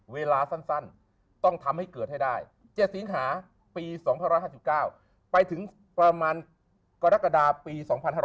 เวลาสั้นต้องทำให้เกิดให้ได้๗สิงหาปี๒๕๕๙ไปถึงประมาณกรกฎาปี๒๕๖๐